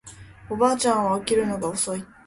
おばあちゃんは起きるのが遅い